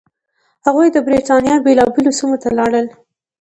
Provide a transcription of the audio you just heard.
هغوی د برېټانیا بېلابېلو سیمو ته لاړل.